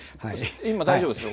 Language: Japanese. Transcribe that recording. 今大丈夫ですか？